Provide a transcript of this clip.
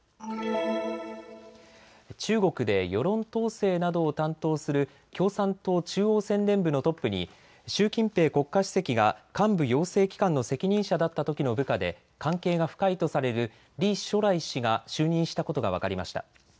中国で世論統制などを担当する共産党中央宣伝部のトップに習近平国家主席が幹部養成機関の責任者だったときの部下で関係が深いとされる李書磊氏が就任したことが分かりました。